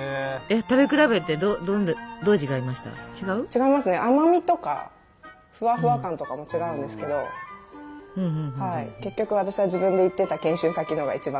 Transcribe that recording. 違いますね甘みとかフワフワ感とかも違うんですけど結局私は自分で行ってた研修先のが一番好きでしたね。